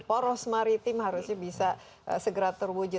poros maritim harusnya bisa segera terwujud